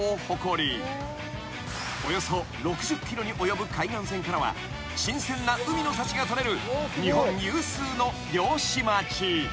［およそ６０ｋｍに及ぶ海岸線からは新鮮な海の幸が取れる］